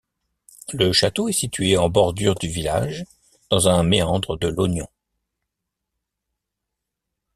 Le château est situé en bordure du village dans un méandre de l'Ognon.